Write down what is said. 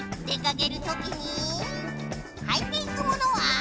でかけるときにはいていくものは？